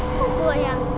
kok gua yang